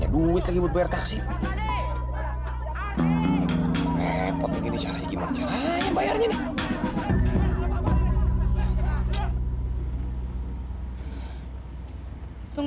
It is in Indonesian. dia fitnah aku kayak gitu cuma untuk